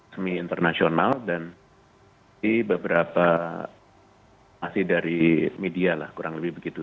semi internasional dan di beberapa masih dari media lah kurang lebih begitu